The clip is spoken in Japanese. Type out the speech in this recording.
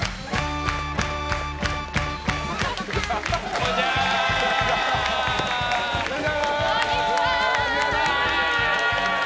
こんにちは！